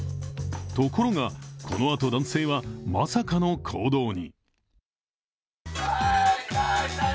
ところが、このあと男性はまさかの行動に。